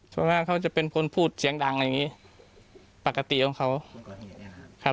ส่วนหน้าเขาจะเป็นคนพูดเสียงดังอย่างนี้ปกติของเขา